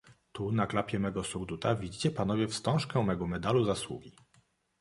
"Tu, na klapie mego surduta, widzicie panowie wstążkę mego medalu zasługi."